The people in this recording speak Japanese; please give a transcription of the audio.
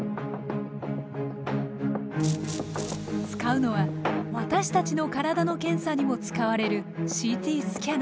使うのは私たちの体の検査にも使われるＣＴスキャナー。